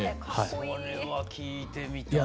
それは聴いてみたいな。